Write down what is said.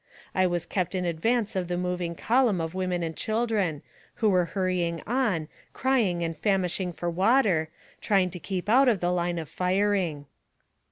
I was kept in advance of the moving column of women and children, who were hurrying on, crying and famishing for water, trying to keep out of the line of firing.